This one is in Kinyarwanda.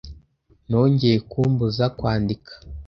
Nongeye kumbuza kwandika.